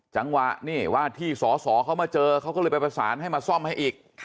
จังหวะนี่ว่าที่สอสอเขามาเจอเขาก็เลยไปประสานให้มาซ่อมให้อีก